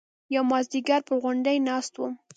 يو مازديگر پر غونډۍ ناست وم.